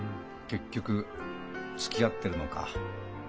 結局つきあってるのか。